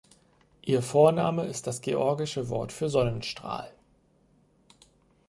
Ihr Vorname ist das georgische Wort für Sonnenstrahl.